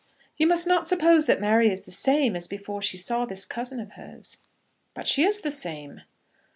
"You must not suppose that Mary is the same as before she saw this cousin of hers." "But she is the same."